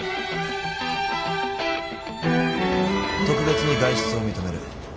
特別に外出を認める。